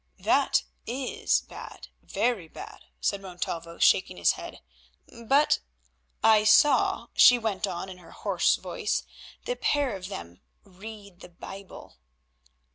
"That is bad, very bad," said Montalvo shaking his head, "but——" "I saw," she went on in her hoarse voice, "the pair of them read the Bible."